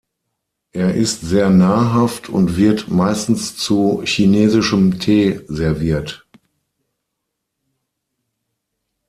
Er ist sehr nahrhaft und wird meistens zu chinesischem Tee serviert.